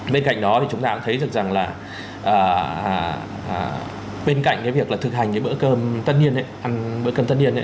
bên cạnh đó thì chúng ta cũng thấy được rằng là bên cạnh cái việc là thực hành cái bữa cơm tất nhiên ấy ăn bữa cơm tất nhiên